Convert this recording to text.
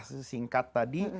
secara singkat tadi